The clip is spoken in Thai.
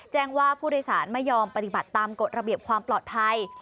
แจ้งว่าผู้โดยสารไม่ยอมปฏิบัติตามกฎระเบียบความปลอดภัย